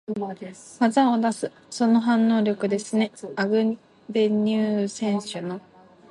技を出す、その反応力ですね、アグベニュー選手の。